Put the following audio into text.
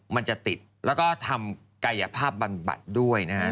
มันจะติดแล้วก็ทำกายภาพบำบัดด้วยนะฮะ